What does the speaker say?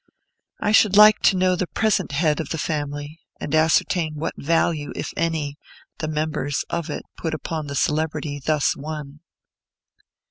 I should like to know the present head of the family, and ascertain what value, if any, the members of it put upon the celebrity thus won.